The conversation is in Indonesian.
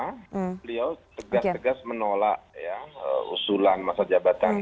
beliau tegas tegas menolak usulan masa jabatan